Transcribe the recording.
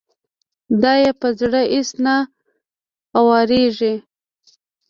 دا يې په زړه اېڅ نه اوارېږي.